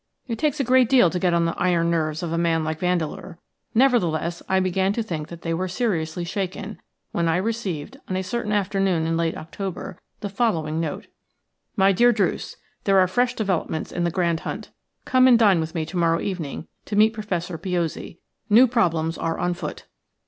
It takes a great deal to get on the iron nerves of a man like Vandeleur; nevertheless, I began to think that they were seriously shaken when I received, on a certain afternoon in late October, the following note:– "MY DEAR DRUCE, – There are fresh developments in the grand hunt. Come and dine with me to morrow evening to meet Professor Piozzi. New problems are on foot."